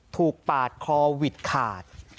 ถูกปาดคอวิดขาด